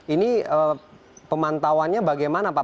ini pemantauannya bagaimana pak